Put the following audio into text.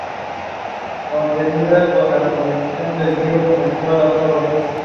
Obtenida la concesión dio comienzo a las obras.